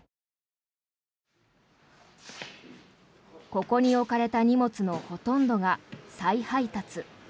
ここに置かれた荷物のほとんどが再配達。